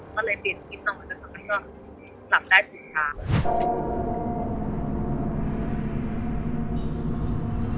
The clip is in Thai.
ก็เลยเปลี่ยนคลิปน้องมันก็หลับได้สุดท้าย